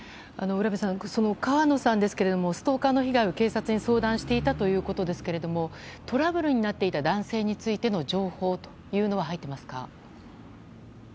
占部さん、川野さんですがストーカーの被害を警察に相談していたということですがトラブルになっていた男性についての情報というのは入っていますか？